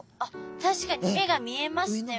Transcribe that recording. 確かに目が見えますね